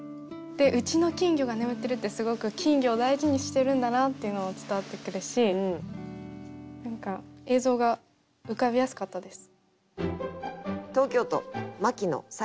「うちの金魚が眠ってる」ってすごく金魚を大事にしてるんだなっていうのも伝わってくるし何か映像が浮かびやすかったです。